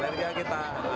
lagi lagi kita mengandalkan